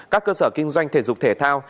các cơ sở kinh doanh thể dục thể thao